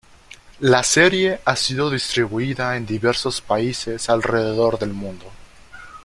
La serie ha sido distribuida en diversos países alrededor del mundo.